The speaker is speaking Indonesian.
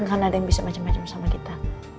karena ada yang bisa macam macam sama kita